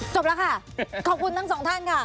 จบแล้วค่ะขอบคุณทั้งสองท่านค่ะ